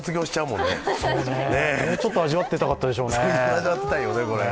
もうちょっと味わってたかったでしょうね。